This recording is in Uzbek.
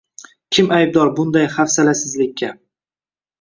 Kim aybdor bunday hafsalasizlikka?